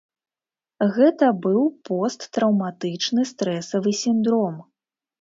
Гэта быў посттраўматычны стрэсавы сіндром.